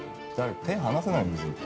手離せないんですよきっと。